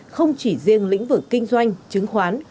không chỉ riêng lĩnh vực kinh doanh chứng khoán